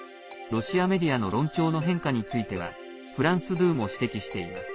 ロシアメディアの論調の変化についてはフランス２も指摘しています。